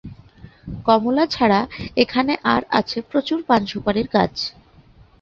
কমলা ছাড়া এখানে আর আছে প্রচুর পান-সুপারির গাছ।